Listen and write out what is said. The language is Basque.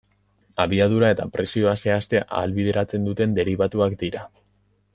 Abiadura eta presioa zehaztea ahalbideratzen duten deribatuak dira.